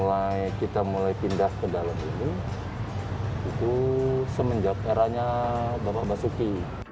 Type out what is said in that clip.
jadi kita mulai pindah ke dalam ini itu semenjak eranya bapak basuki